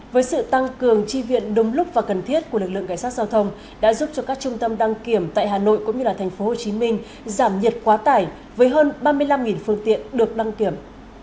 với sự tăng cường chi viện đúng lúc và cần thiết của lực lượng cảnh sát giao thông đã giúp cho các trung tâm đăng kiểm tại hà nội cũng như tp hcm giảm nhiệt quá tải với hơn ba mươi năm phương tiện được đăng kiểm